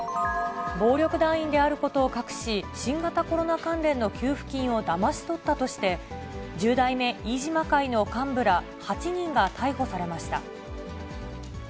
暴力団員であることを隠し、新型コロナ関連の給付金をだまし取ったとして、十代目飯島会の幹部ら８人が逮捕されました。